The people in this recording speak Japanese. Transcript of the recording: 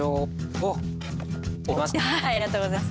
ありがとうございます。